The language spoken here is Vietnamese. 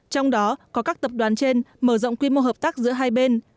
trong đó có các tập đoàn trên mở rộng quy mô hợp tác giữa hai bên